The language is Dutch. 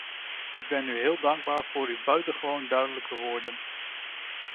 Ik ben u heel dankbaar voor uw buitengewoon duidelijke woorden.